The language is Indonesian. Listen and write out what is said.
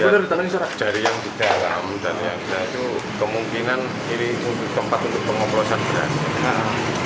dari yang di dalam dan yang di bawah itu kemungkinan ini untuk tempat untuk pengoplosan beras